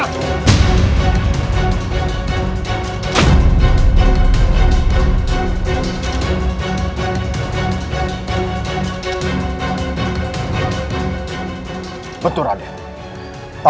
aku harus ratakan mereka dengan tanah